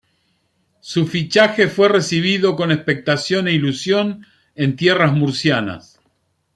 Su fichaje fue recibido con expectación e ilusión en tierras murcianas.